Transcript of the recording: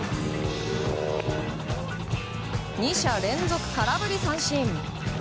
２者連続、空振り三振。